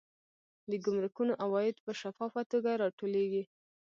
د ګمرکونو عواید په شفافه توګه راټولیږي.